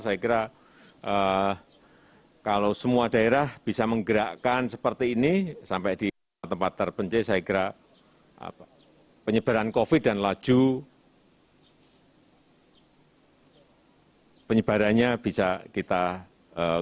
saya kira kalau semua daerah bisa menggerakkan seperti ini sampai di tempat terpencil saya kira penyebaran covid dan laju penyebarannya bisa kita lakukan